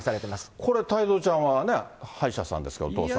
これ、太蔵ちゃんは歯医者さんですから、お父さんが。